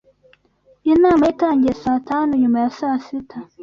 Inama ye yatangiye saa tanu nyuma ya saa sita.